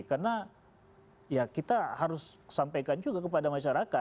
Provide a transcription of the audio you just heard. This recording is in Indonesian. karena ya kita harus sampaikan juga kepada masyarakat